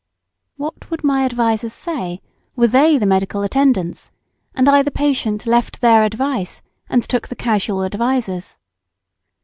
What would my advisers say, were they the medical attendants, and I the patient left their advice, and took the casual adviser's?